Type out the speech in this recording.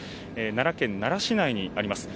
奈良県奈良市内にあります。